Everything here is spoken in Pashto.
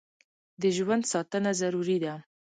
د ژوند ساتنه ضروري ده.